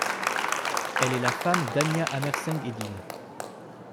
Elle est la femme d'Anja Hammerseng-Edin.